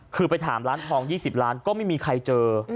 คือไปถามร้านทอง๒๐ล้านก็ไม่มีใครเจอ